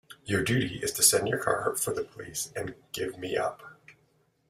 Your duty is to send your car for the police and give me up.